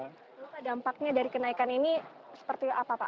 bapak dampaknya dari kenaikan ini seperti apa pak